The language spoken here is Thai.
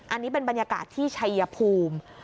อันนี้เป็นบรรยากาศที่ชัยภูมิ